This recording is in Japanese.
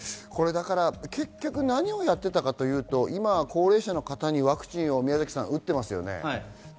結局、何をやっていたかというと高齢者の方にワクチンを打っていますよね。